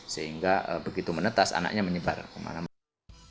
sehingga begitu menetas anaknya menyebar kemana mana